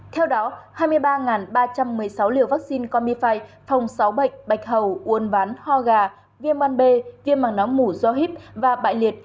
theo đó hai mươi ba ba trăm một mươi sáu liều vaccine comifi phòng sáu bệnh bạch hầu uôn ván ho gà viêm bàn bê viêm bằng nóng mũ do hip và bại liệt